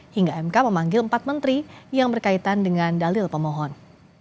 hingga mk memanggil empat menteri yang berkaitan dengan dalil pemohon